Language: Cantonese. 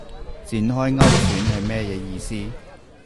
展開勾選係乜嘢意思